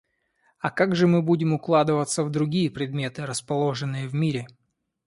А как же мы будем укладываться в другие предметы, расположенные в мире?